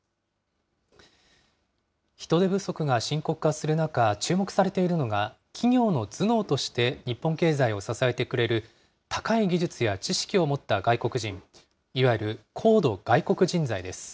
人手不足が深刻化する中、注目されているのが、企業の頭脳として日本経済を支えてくれる高い技術や知識を持った外国人、いわゆる高度外国人材です。